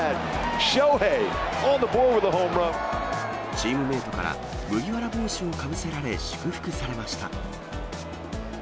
チームメートから麦わら帽子をかぶせられ、祝福されました。